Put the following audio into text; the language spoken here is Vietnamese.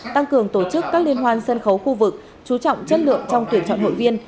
tăng cường tổ chức các liên hoan sân khấu khu vực chú trọng chất lượng trong tuyển chọn hội viên